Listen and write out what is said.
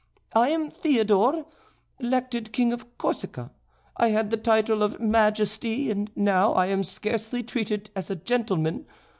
I am Theodore, elected King of Corsica; I had the title of Majesty, and now I am scarcely treated as a gentleman.